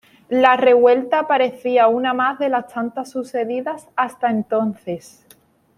La revuelta parecía una más de las tantas sucedidas hasta entonces.